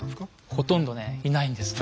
ほとんどねいないんですね。